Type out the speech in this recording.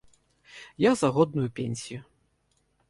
Я за годную пенсію.